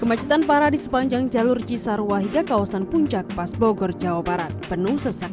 kemacetan parah di sepanjang jalur cisar wahiga kawasan puncak pasbogor jawa barat penuh sesak